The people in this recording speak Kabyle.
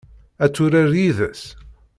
Ad turar yid-s?